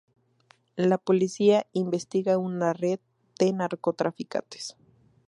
La policía investiga una red de narcotraficantes.